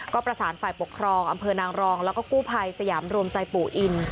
ก็ประสานฝ่ายปกครองอำเภอนางรองแล้วก็กู้ภัยสยามรวมใจปู่อิน